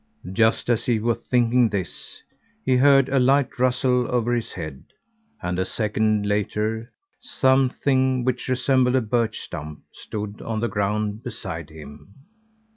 Just as he was thinking this, he heard a light rustle over his head, and a second later something which resembled a birch stump stood on the ground beside him.